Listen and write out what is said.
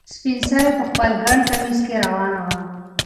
سپین سرې په خپل ګڼ کمیس کې روانه وه.